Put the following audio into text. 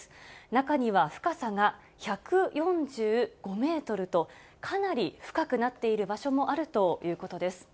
中には深さが１４５メートルと、かなり深くなっている場所もあるということです。